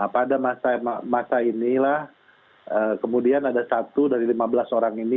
pada masa inilah kemudian ada satu dari lima belas orang ini